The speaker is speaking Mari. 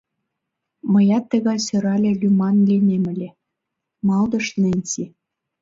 Мыят тыгай сӧрале лӱман лийнем ыле, — малдыш Ненси.